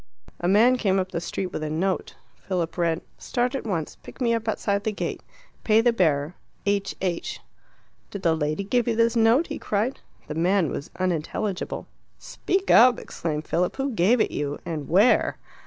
A man came up the street with a note. Philip read, "Start at once. Pick me up outside the gate. Pay the bearer. H. H." "Did the lady give you this note?" he cried. The man was unintelligible. "Speak up!" exclaimed Philip. "Who gave it you and where?"